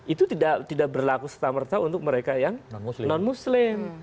itu tidak berlaku setamerta untuk mereka yang non muslim